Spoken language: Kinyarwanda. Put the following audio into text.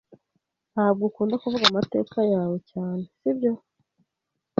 Ntabwo ukunda kuvuga amateka yawe cyane, sibyo?